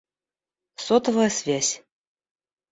Сотовая связь